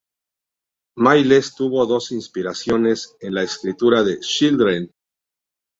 Miles tuvo dos inspiraciones en la escritura de "Children".